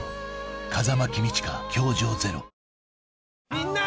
みんな！